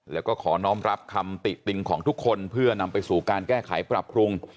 แล้วก็ขอน้องรับคำติติติงของทุกคนเพื่อนำไปสู่การแก้ไขปรับปรุง